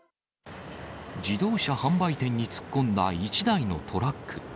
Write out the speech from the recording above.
自動車販売店に突っ込んだ１台のトラック。